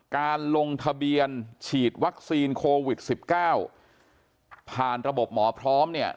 การลงทะเบียนฉีดวัคซีนโควิด๑๙ผ่านระบบหมอพร้อมเนี่ย